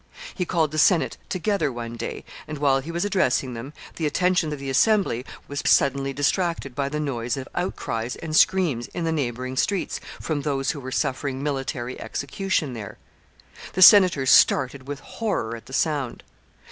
He called the Senate together one day, and, while he was addressing them, the attention of the Assembly was suddenly distracted by the noise of outcries and screams in the neighboring streets from those who were suffering military execution there. The senators started with horror at the sound.